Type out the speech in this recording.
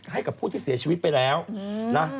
ให้กับผู้ที่เสียชีวิตไปแล้วนะ